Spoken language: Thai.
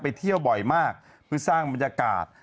เที่ยวบ่อยมากเพื่อสร้างบรรยากาศ